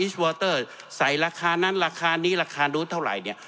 สวอเตอร์ใส่ราคานั้นราคานี้ราคานู้นเท่าไหร่เนี่ย